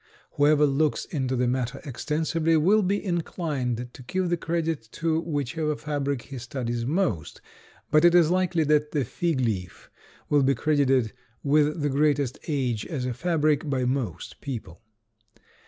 Whoever looks into the matter extensively will be inclined to give the credit to whichever fabric he studies most, but it is likely that the figleaf will be credited with the greatest age as a fabric by most people.